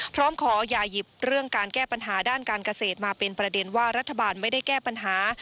พร้อมขออย่าหยิบเรื่องการแก้ปัญหาด้านการเกษตรมาเป็นประเด็นว่ารัฐบาลไม่ได้แก้ปัญหา